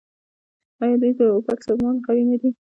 آیا دوی د اوپک سازمان غړي نه دي؟